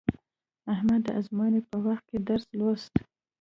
احمد د ازموینې په وخت درس ولوست.